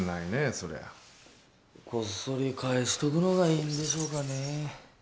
そりゃこっそり返しとくのがいいんでしょうかねえ